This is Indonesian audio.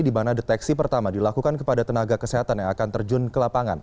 di mana deteksi pertama dilakukan kepada tenaga kesehatan yang akan terjun ke lapangan